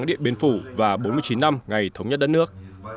các địa biên phủ và bốn mươi chín năm ngày thống nhất đất nước